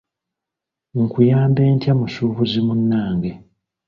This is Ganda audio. Nkuyambe ntya musuubuzi munnange?